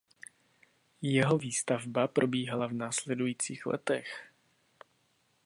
Jeho Výstavba probíhala v následujících letech.